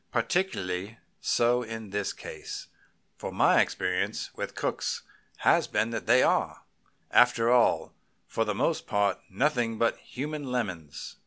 Particularly so in this case, for my experience with cooks has been that they are, after all, for the most part nothing but human lemons.